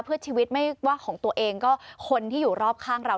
เพื่อชีวิตไม่ว่าของตัวเองก็คนที่อยู่รอบข้างเรา